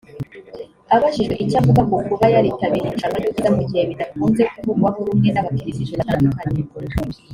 abajijwe icyo avuga ku kuba yaritabiriye irushanwa ry’ubwiza mu gihe bidakunze kuvugwaho rumwe n’abakristo batandukanye